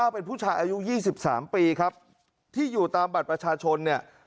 เป็นผู้ชายอายุ๒๓ปีครับที่อยู่ตามบัตรประชาชนเนี่ย